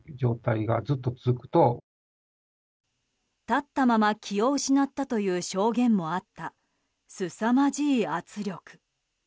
立ったまま気を失ったという証言もあった、すさまじい圧力。